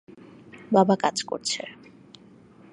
বাবা কাজ করছে।